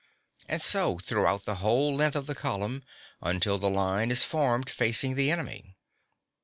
And so throughout the whole length of the column, until the line is formed facing the enemy.